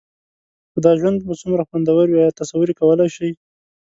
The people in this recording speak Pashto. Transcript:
خو دا ژوند به څومره خوندور وي؟ ایا تصور یې کولای شئ؟